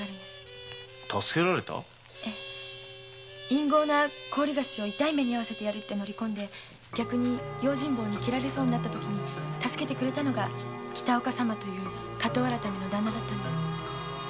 因業な高利貸しを痛い目に遭わせてやると乗り込んで逆に用心棒に斬られそうになったときに助けてくれたのが北岡様という火盗改めのダンナだったんです。